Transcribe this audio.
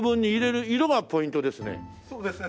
そうですね。